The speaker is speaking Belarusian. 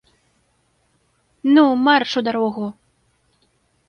Ну, марш у дарогу!